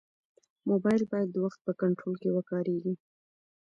موبایل باید د وخت په کنټرول کې وکارېږي.